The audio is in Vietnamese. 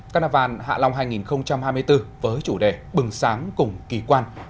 căn đà vàn hạ long hai nghìn hai mươi bốn với chủ đề bừng sám cùng kỳ quan